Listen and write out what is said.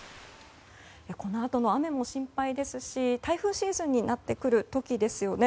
このあとの雨も心配ですし台風シーズンになってくる時ですよね。